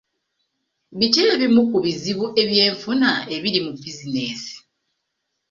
Biki ebimu ku bizibu ebyenfuna ebiri mu bizinensi?